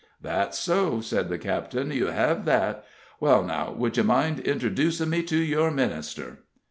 "That's so," said the captain, "you hev that. Well, now, would you mind interdoosin' me to your minister?"